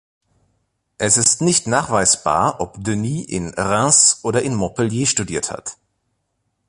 Es ist nicht nachweisbar, ob Denis in Reims oder Montpellier studiert hat.